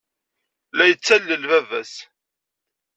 La yettalel baba-s.